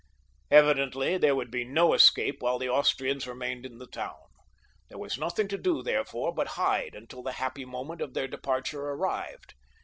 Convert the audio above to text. Evidently there would be no escape while the Austrians remained in the town. There was nothing to do, therefore, but hide until the happy moment of their departure arrived.